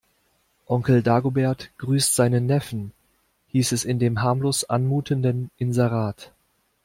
Onkel Dagobert grüßt seinen Neffen, hieß es in dem harmlos anmutenden Inserat.